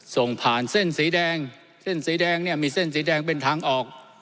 ส่งผ่านเส้นสีแดงเส้นสีแดงเนี่ยมีเส้นสีแดงเป็นทางออก